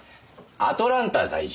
アトランタ在住。